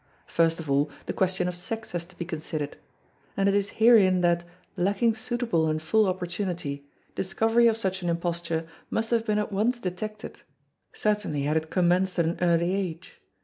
First of all the question of sex has to be considered; and it is herein that, lacking suitable and full opportunity, discovery of such an imposture must have been at once detected certainly had it commenced at an early age.